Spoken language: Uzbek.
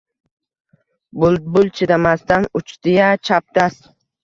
Bulbul chidamasdan uchdi-ya chapdast